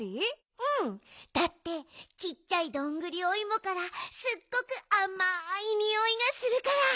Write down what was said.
うんだってちっちゃいどんぐりおいもからすっごくあまいにおいがするから。